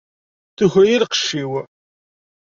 Tuker-iyi lqecc-iw!